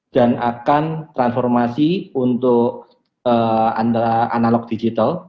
dan akan transformasi untuk analog digital